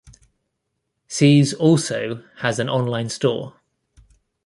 See's also has an online store.